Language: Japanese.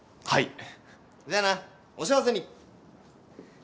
はい。